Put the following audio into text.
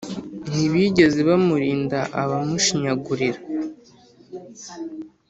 ntibigeze bamurinda abamushi-nyaguriraga